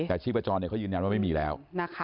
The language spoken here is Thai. แต่ชีพจรเขายืนยันว่าไม่มีแล้ว